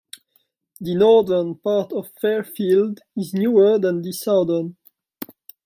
The northern part of Fairfield is newer than the southern.